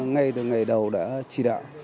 ngay từ ngày đầu đã chỉ đạo